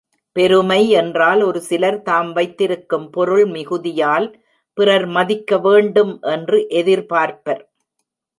பெருமை என்றால் ஒருசிலர் தாம் வைத்திருக்கும் பொருள் மிகுதியால் பிறர் மதிக்கவேண்டும் என்று எதிர்பார்ப்பர்.